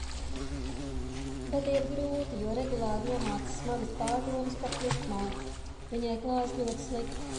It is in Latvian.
Bet iet grūti, jo regulāri nomāc smagas pārdomas par Krustmāti. Viņai klājas ļoti slikti.